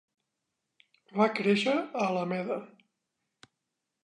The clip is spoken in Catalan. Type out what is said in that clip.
Va créixer a Alameda.